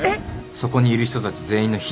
そこにいる人たち全員の避難を。